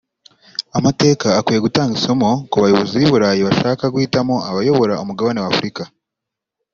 Amateka akwiye gutanga isomo ko abayobozi b’i Burayi bashaka guhitamo abayobora umugabane wa Afurika